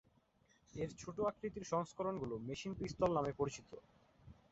এর ছোট আকৃতির সংস্করণগুলো মেশিন পিস্তল নামে পরিচিত।